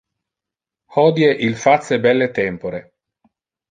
Hodie il face belle tempore.